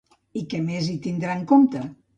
I què més hi tindrà en compte?